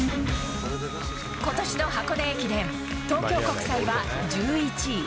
ことしの箱根駅伝、東京国際は１１位。